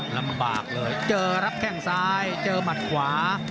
ลำบากเลยเจอรับแข้งซ้ายเจอหมัดขวา